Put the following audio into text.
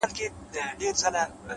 د عمل قوت شک ماتوي’